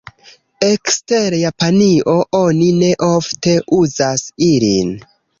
Ekster Japanio, oni ne ofte uzas ilin.